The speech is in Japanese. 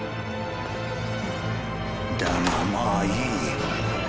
だがまァいい